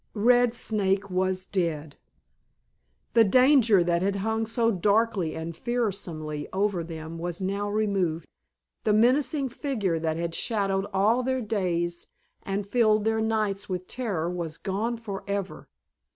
Red Snake was dead! The danger that had hung so darkly and fearsomely over them was now removed, the menacing figure that had shadowed all their days and filled their nights with terror was gone forever!